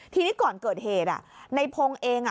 ทีนี้ก่อนเกิดเหตุในพงศ์เอง